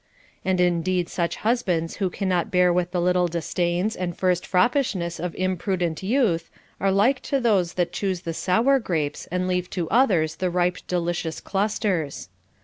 And in deed such husbands who cannot bear with the little disdains and first froppislmess of imprudent youth are like to those that choose the sour grapes and leave to others the ripe delicious clusters.